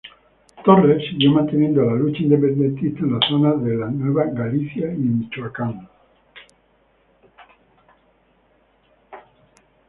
Torres siguió manteniendo la lucha independentista en la zona de Nueva Galicia y Michoacán.